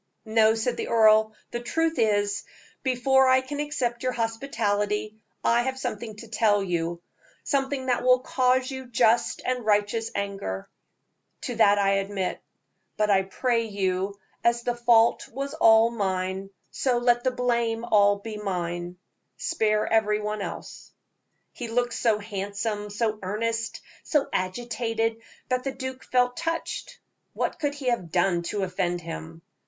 "No," said the earl; "the truth is, before I can accept your hospitality, I have something to tell you something that will cause you just and righteous anger to that I submit; but I pray you, as the fault was all mine, so let the blame be all mine. Spare every one else." He looked so handsome, so earnest, so agitated, that the duke felt touched. What could he have done to offend him?